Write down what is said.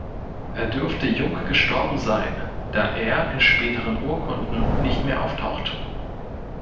Er dürfte jung gestorben sein, da er in späteren Urkunden nicht mehr auftaucht.